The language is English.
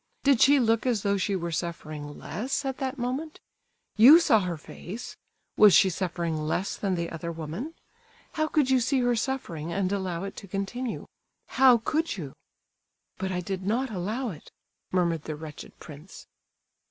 Did she look as though she were suffering less, at that moment? You saw her face—was she suffering less than the other woman? How could you see her suffering and allow it to continue? How could you?" "But I did not allow it," murmured the wretched prince.